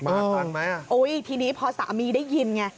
ทันไหมอ่ะโอ้ยทีนี้พอสามีได้ยินไง